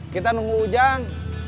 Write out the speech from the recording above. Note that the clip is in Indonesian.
kita nunggu ujang